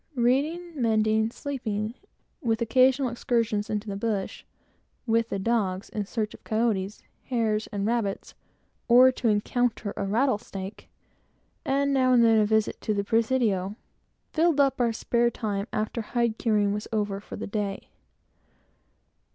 Reading, mending, sleeping, with occasional excursions into the bush, with the dogs, in search of coati, hares, and rabbits, or to encounter a rattlesnake, and now and then a visit to the Presidio, filled up our spare time after hide curing was over for the day.